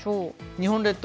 日本列島